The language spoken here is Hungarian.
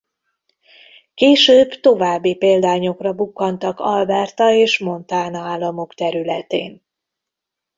Később további példányokra bukkantak Alberta és Montana államok területén.